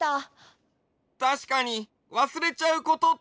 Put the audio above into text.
たしかにわすれちゃうことってあるよね。